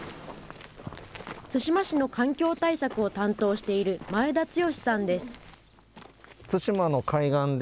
対馬市の環境対策を担当している前田剛さんです。